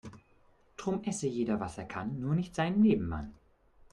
Drum esse jeder was er kann, nur nicht seinen Nebenmann.